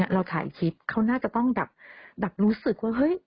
เราถ่ายคลิปเขาน่าจะต้องรู้สึกว่า